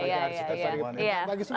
bagi arsitektur bagi semua